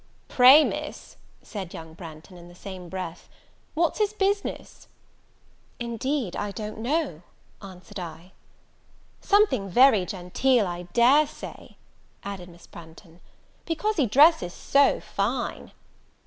"Pray, Miss," said young Branghton, in the same breath, "what's his business?" "Indeed I don't know," answered I. "Something very genteel, I dare say," added Miss Branghton, "because he dresses so fine."